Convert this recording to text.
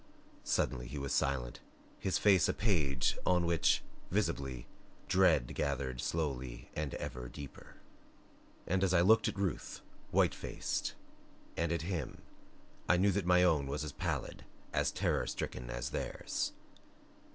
Suddenly he was silent, his face a page on which, visibly, dread gathered slowly and ever deeper. And as I looked at Ruth, white faced, and at him, I knew that my own was as pallid, as terror stricken as theirs.